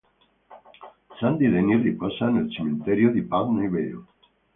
Sandy Denny riposa nel cimitero di Putney Vale.